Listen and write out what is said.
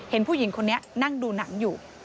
เห็นผู้หญิงคนนี้นั่งดูหนังอยู่